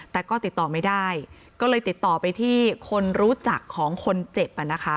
แต่ก็ติดต่อไม่ได้ก็เลยติดต่อไปที่คนรู้จักของคนเจ็บ